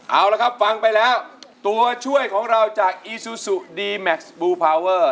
เอาละครับฟังไปแล้วตัวช่วยของเราจากอีซูซูดีแม็กซ์บลูพาวเวอร์